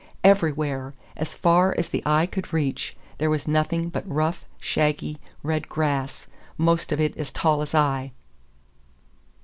Everywhere, as far as the eye could reach, there was nothing but rough, shaggy, red grass, most of it as tall as I.